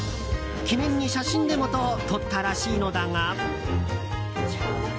記念に写真でもと撮ったらしいのだが。